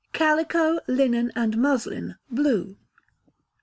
Calico, Linen, and Muslin (Blue).